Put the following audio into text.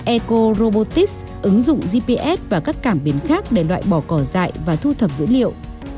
eco robotis ứng dụng gps và các cảm biến khác để loại bỏ cỏ dại và thu thập dữ liệu